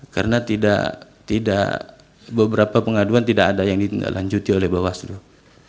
karena tidak tidak beberapa pengaduan tidak ada yang dilanjuti oleh bawah seluruh